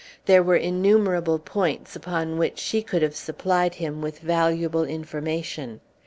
There were innumerable points upon which she could have supplied him with valuable information.